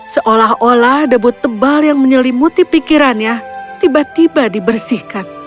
seolah olah debut tebal yang menyelimuti pikirannya tiba tiba dibersihkan